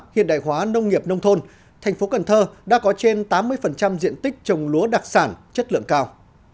hiện đại hóa nông nghiệp nông thôn thành phố cần thơ đã có trên tám mươi diện tích trồng lúa đặc sản chất lượng cao